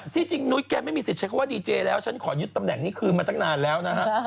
ที่จริงนุ๊ยแกไม่มีสิทธิ์ใช้คำว่าดีเจแล้วฉันขอยึดตำแหน่งนี้คืนมาตั้งนานแล้วนะฮะ